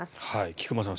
菊間さん